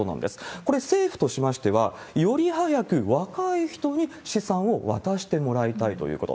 これ、政府としましては、より早く若い人に資産を渡してもらいたいということ。